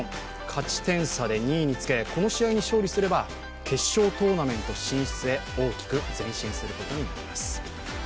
勝ち点差で２位につけこの試合に勝利すれば決勝トーナメント進出へ大きく前進することになります。